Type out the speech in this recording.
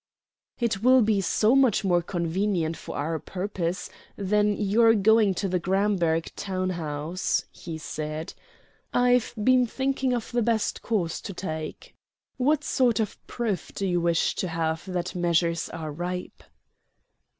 "It will be so much more convenient for our purpose than your going to the Gramberg town house," he said. "I've been thinking of the best course to take. What sort of proof do you wish to have that measures are ripe?"